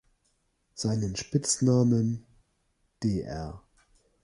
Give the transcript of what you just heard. Seinen Spitznamen „Dr.